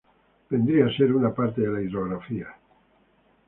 Vendría a ser una parte de la hidrografía.